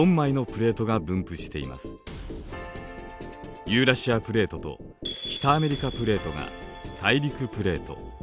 プレートと北アメリカプレートが大陸プレート。